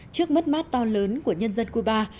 trước mất mát to lớn của nhân dân cuba